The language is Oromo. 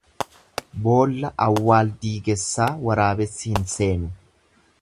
Boolla awwaaldiigessaa waraabessi hin seenu.